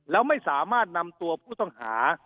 แล้วไม่สามารถนำตัวผู้ต้องหา